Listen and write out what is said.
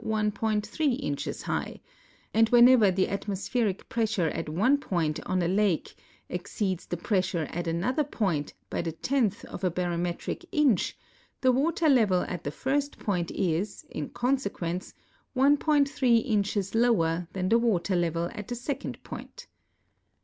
3 inches high ; and whenever the atmospheric pressure at one point on a lake exceeds the pressure at another point by the tenth of a baro metric inch, the water level at the first point is, in consequence, 1.3 inches lower than the water level at the second point.